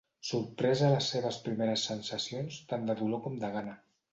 Sorprès a les seves primeres sensacions tant de dolor com de gana.